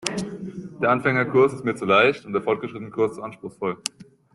Der Anfängerkurs ist mir zu leicht und der Fortgeschrittenenkurs zu anspruchsvoll.